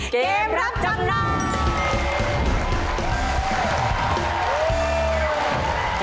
เกมรับจำนำ